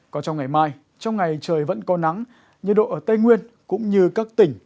còn trong ngày mai trong ngày trời vẫn có nắng nhiệt độ ở tây nguyên cũng như các tỉnh